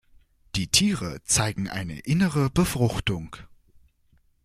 Die Tiere zeigen eine innere Befruchtung.